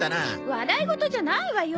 笑いごとじゃないわよ！